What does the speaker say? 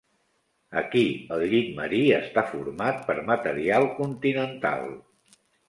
Aquí el llit marí està format per material continental.